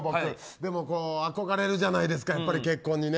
でも、憧れるじゃないですかやっぱり結婚にね。